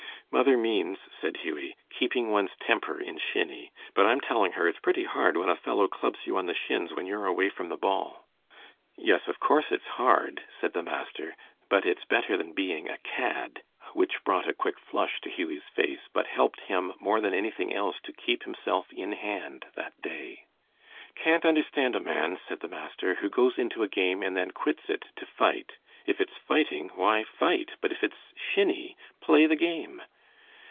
"Mother means," said Hughie, "keeping one's temper in shinny. But I'm telling her it's pretty hard when a fellow clubs you on the shins when you're away from the ball." "Yes, of course it's hard," said the master, "but it's better than being a cad," which brought a quick flush to Hughie's face, but helped him more than anything else to keep himself in hand that day. "Can't understand a man," said the master, "who goes into a game and then quits it to fight. If it's fighting, why fight, but if it's shinny, play the game.